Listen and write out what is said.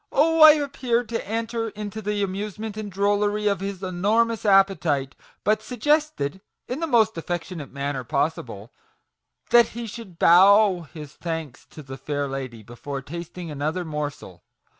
" Oh, I appeared to enter into the amuse ment and drollery of his enormous appetite, but suggested, in the most affectionate manner possible, that he should bow his thanks to the fair lady before tasting another morsel